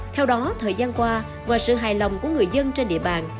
theo đó thời gian qua ngoài sự hài lòng của người dân trên địa bàn